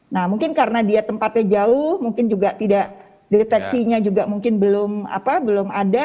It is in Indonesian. nah mungkin karena dia tempatnya jauh mungkin juga tidak deteksinya juga mungkin belum ada